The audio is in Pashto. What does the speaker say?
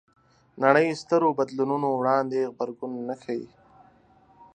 نړۍ سترو بدلونونو وړاندې غبرګون نه ښيي